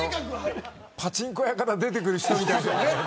パチンコ屋から出てくる人みたい。